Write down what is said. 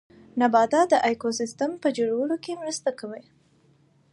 نباتات د ايکوسيستم په جوړولو کې مرسته کوي